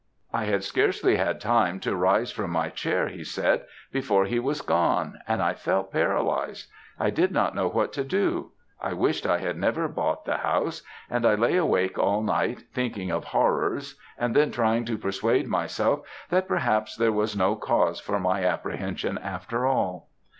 "'I had scarcely had time to rise from my chair,' he said, 'before he was gone, and I felt paralysed. I did not know what to do. I wished I had never bought the house, and I lay awake all night, thinking of horrors, and then trying to persuade myself that perhaps there was no cause for my apprehensions after all.'